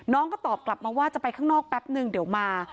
น้องก็ตอบกลับมาว่าจะไปข้างนอกแป๊บนึงเดี๋ยวมา